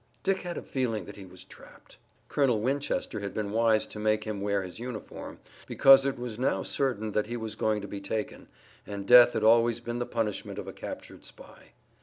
Dick had a feeling that he was trapped. Colonel Winchester had been wise to make him wear his uniform, because it was now certain that he was going to be taken, and death had always been the punishment of a captured spy.